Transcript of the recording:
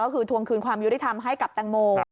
ก็คือทวงคืนความยุติธรรมให้กับแตงโม